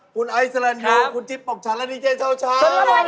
คุณไอซัลลานดูลคุณจิ๊บปกฉันและนี่เจ๊เช่าอ่ะครับ